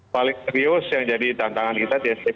paling serius yang jadi tantangan kita